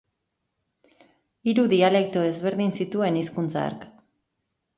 Hiru dialekto ezberdin zituen hizkuntza hark.